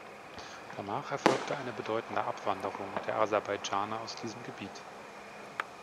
Danach erfolgte eine bedeutende Abwanderung der Aserbaidschaner aus diesem Gebiet.